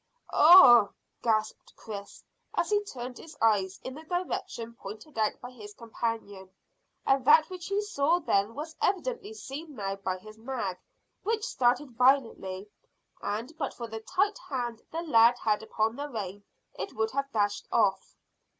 "Ugh!" gasped Chris, as he turned his eyes in the direction pointed out by his companion, and that which he saw then was evidently seen now by his nag, which started violently, and but for the tight hand the lad had upon the rein it would have dashed off.